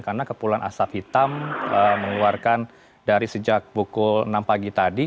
karena kepulan asap hitam mengeluarkan dari sejak pukul enam pagi tadi